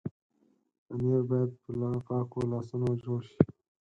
پنېر باید په پاکو لاسونو جوړ شي.